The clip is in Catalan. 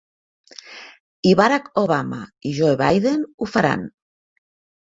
I Barack Obama i Joe Biden ho faran.